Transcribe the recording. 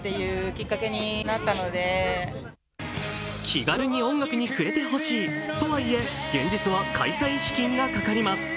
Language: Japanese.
気軽に音楽に触れてほしい。とはいえ、現実は開催資金がかかります。